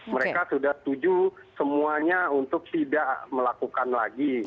mereka sudah setuju semuanya untuk tidak melakukan lagi